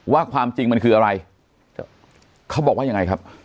ความจริงมันคืออะไรเขาบอกว่ายังไงครับ